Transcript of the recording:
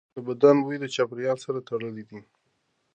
د بدن بوی د چاپېریال سره تړلی دی.